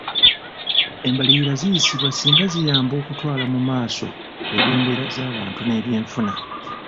Embalirira ziyisibwa singa ziyamba okutwala mu maaso eby'embeera z'abantu n'ebyenfuna.